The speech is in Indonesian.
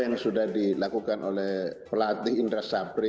yang sudah dilakukan oleh pelatih indra sapri